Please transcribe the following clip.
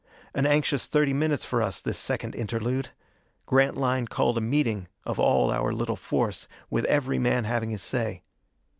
An anxious thirty minutes for us, this second interlude. Grantline called a meeting of all our little force, with every man having his say.